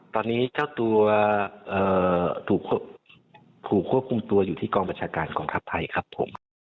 ตอนนี้เจ้าตัวถูกควบคุมตัวอยู่ที่กองบัญชาการกองทัพไทยครับผม